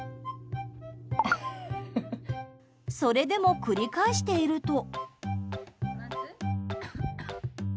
それでも繰り返していると。